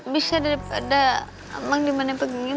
bisa daripada mang diman yang penggingin